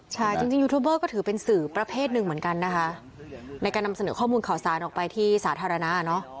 ใช่จริงยูทูบเบอร์ก็ถือเป็นสื่อประเภทหนึ่งเหมือนกันนะคะในการนำเสนอข้อมูลข่าวสารออกไปที่สาธารณะเนอะ